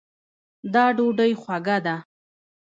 دا ډوډۍ خوږه ده